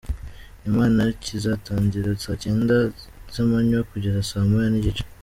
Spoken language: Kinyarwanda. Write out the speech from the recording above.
Imana, kizatangira saa cyenda z'amanywa kugeza saa moya n'igice.